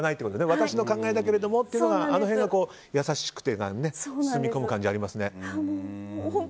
私の考えだけどもってあの辺が優しくて包み込む感じがありますね。